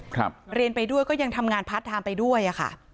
เรียนไปด้วยก็ยังทำงานพาร์ทไทม์ไปด้วยอ่ะค่ะ